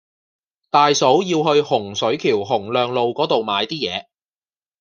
大嫂要去洪水橋洪亮路嗰度買啲嘢